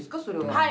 はい。